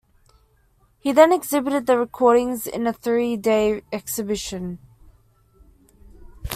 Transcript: He then exhibited the recordings in a three day exhibition.